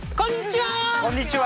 こんにちは！